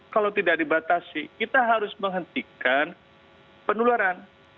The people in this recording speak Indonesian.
kalau tidak dibatasi kita harus menghentikan penularan